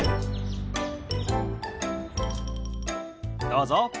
どうぞ。